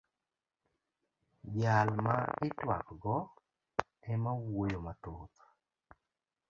Jal ma itwak go ema wuoyo mathoth.